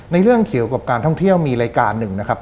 เรื่องเกี่ยวกับการท่องเที่ยวมีรายการหนึ่งนะครับ